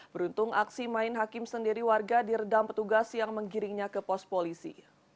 beruntung aksi main hakim sendiri warga diredam petugas yang menggiringnya ke pos polisi